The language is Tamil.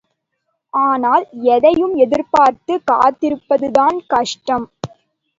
ஆனால் எதையும் எதிர்பார்த்துக் காத்திருப்பதுதான் கஷ்டம்.